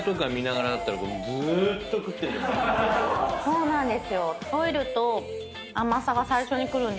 そうなんですよ。